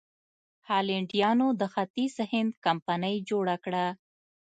هالنډیانو د ختیځ هند کمپنۍ جوړه کړه.